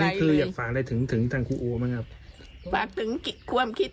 ไม่อยากให้หลานคิดสั้นสู้ชีวิต